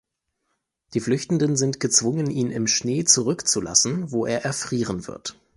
Die Flüchtenden sind gezwungen, ihn im Schnee zurückzulassen, wo er erfrieren wird.